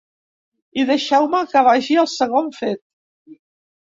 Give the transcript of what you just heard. I deixeu-me que vagi al segon fet.